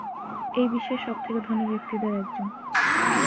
এই বিশ্বের সবথেকে ধনী ব্যক্তিদের একজন।